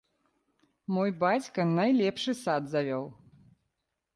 Мой бацька найлепшы сад завёў!